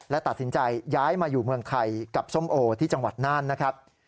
และตัดสินใจย้ายมาอยู่เมืองไทยกับส้มโอที่จังหวัดน่านนะครับ